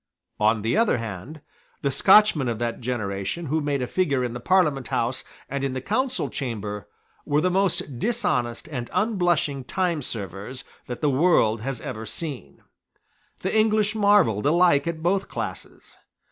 On the other hand, the Scotchmen of that generation who made a figure in the Parliament House and in the Council Chamber were the most dishonest and unblushing timeservers that the world has ever seen. The English marvelled alike at both classes.